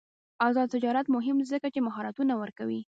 آزاد تجارت مهم دی ځکه چې مهارتونه ورکوي.